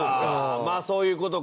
まあそういう事か。